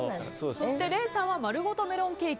そして礼さんはまるごとメロンケーキ。